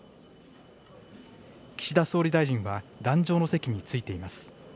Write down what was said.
岸田総理大臣は、壇上の席に着いています。